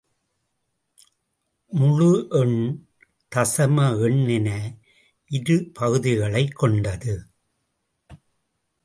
முழு எண், தசம எண் என இரு பகுதிகளைக் கொண்டது.